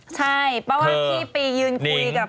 ใช่ประมาณที่ไปยืนคุยกับ